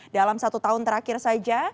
dalam satu tahun terakhir saja